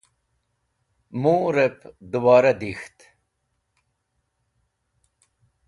Murẽb dẽbora dik̃ht.